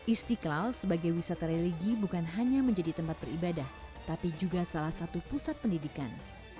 istiqlal sebagai wisata religi bukan hanya menjadi tempat beribadah tapi juga salah satu pusat pendidikan